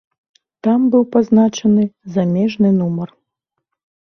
Там быў пазначаны замежны нумар.